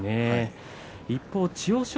一方、千代翔